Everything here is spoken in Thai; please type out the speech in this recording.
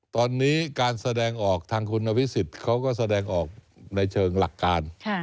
ตอนนี้การแสดงออกทางคุณอภิษฎเขาก็แสดงออกในเชิงหลักการ